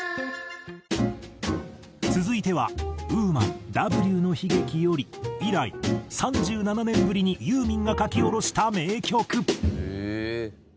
続いては『Ｗｏｍａｎ“Ｗの悲劇”より』以来３７年ぶりにユーミンが書き下ろした名曲。